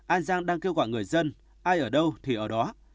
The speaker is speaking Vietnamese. an giang đang kêu gọi người dân ai ở đâu thì ở đó